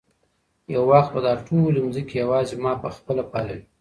یو وخت به دا ټولې مځکې یوازې ما په خپله پاللې.